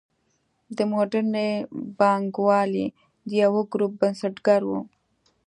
د موډرنې بانکوالۍ د یوه ګروپ بنسټګر و.